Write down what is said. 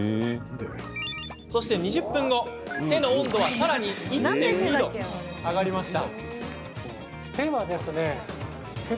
そして２０分後手の温度はさらに１．２度上がりました。